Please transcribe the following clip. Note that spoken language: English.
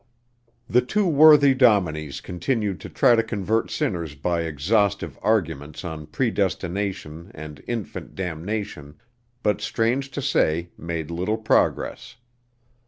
The two worthy dominies continued to try to convert sinners by exhaustive arguments on predestination and infant damnation, but strange to say, made little progress.